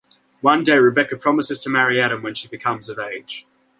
One day Rebecca promises to marry Adam when she becomes of age.